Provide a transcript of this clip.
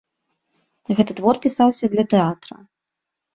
Гэты твор пісаўся для тэатра.